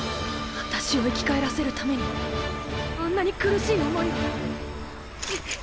私を生き返らせるためにあんなに苦しい思いをくっ！